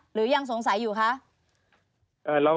หรือยังสงสัยอยู่คะ